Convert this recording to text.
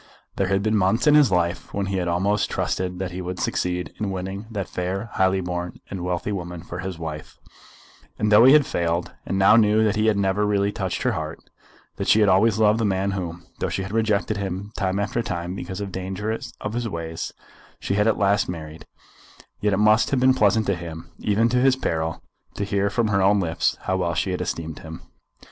There had been months in his life when he had almost trusted that he would succeed in winning that fair, highly born, and wealthy woman for his wife; and though he had failed, and now knew that he had never really touched her heart, that she had always loved the man whom, though she had rejected him time after time because of the dangers of his ways, she had at last married, yet it must have been pleasant to him, even in his peril, to hear from her own lips how well she had esteemed him.